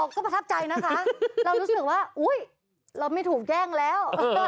ก็ประทับใจนะคะเรารู้สึกว่าอุ๊ยเราไม่ถูกแย่งแล้ว